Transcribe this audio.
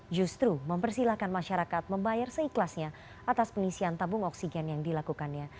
justru mempersilahkan masyarakat membayar seikhlasnya atas pengisian tabung oksigen yang dilakukannya